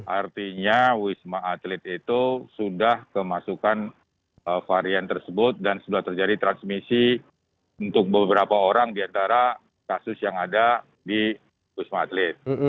artinya wisma atlet itu sudah kemasukan varian tersebut dan sudah terjadi transmisi untuk beberapa orang di antara kasus yang ada di wisma atlet